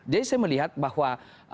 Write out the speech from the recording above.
jadi saya melihat bahwa